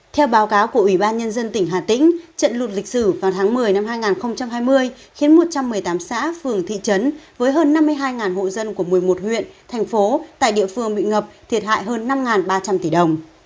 theo báo cáo của ủy ban nhân dân tỉnh hà tĩnh trận lụt lịch sử vào tháng một mươi năm hai nghìn hai mươi khiến một trăm một mươi tám xã phường thị trấn với hơn năm mươi hai hộ dân của một mươi một huyện thành phố tại địa phương bị ngập thiệt hại hơn năm ba trăm linh tỷ đồng